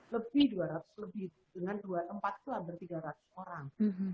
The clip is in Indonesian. lebih dua ratus lebih dengan dua tempat lah bertiga ratus orang